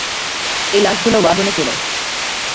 এই লাশ গুলো ওয়াগন এ তুলো।